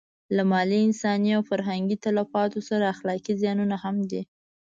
له مالي، انساني او فرهنګي تلفاتو سره اخلاقي زیانونه هم دي.